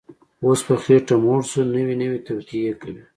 اوس په خېټه موړ شو، نوې نوې توطیې کوي